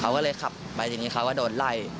เขาก็เลยขับไปทีนี้เขาก็โดนไล่